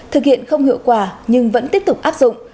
thực hiện không hiệu quả nhưng vẫn tiếp tục áp dụng